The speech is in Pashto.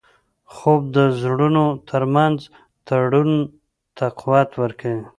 خوب د زړونو ترمنځ تړون ته قوت ورکوي